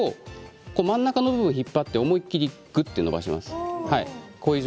真ん中の部分を引っ張って思い切りぐっと伸ばします。